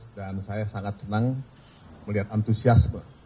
dan saya sangat senang melihat entusiasme